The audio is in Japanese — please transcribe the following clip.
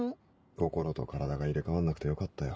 心と体が入れ替わんなくてよかったよ。